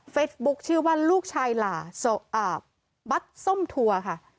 เฟซบุ๊กชื่อว่าลูกชายหลาบัตรส้มทัวร์ค่ะ